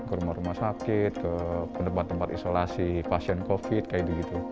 ke rumah rumah sakit ke tempat tempat isolasi pasien covid sembilan belas seperti itu